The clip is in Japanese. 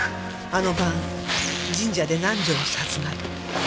あの晩神社で南条を殺害。